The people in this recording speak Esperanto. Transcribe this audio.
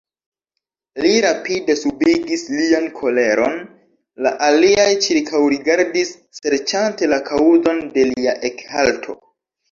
Li rapide subigis lian koleron, la aliaj ĉirkaŭrigardis serĉante la kaŭzon de lia ekhalto.